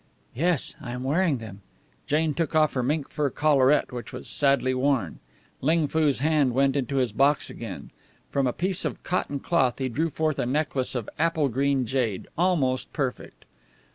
"Yes, I am wearing them." Jane took off her mink fur collaret, which was sadly worn. Ling Foo's hand went into his box again. From a piece of cotton cloth he drew forth a necklace of apple green jade, almost perfect.